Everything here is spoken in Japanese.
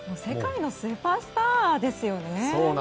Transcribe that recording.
世界のスーパースターですよね。